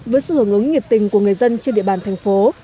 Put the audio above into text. với sự hưởng ứng nhiệt tình của người dân trên địa bàn thành phố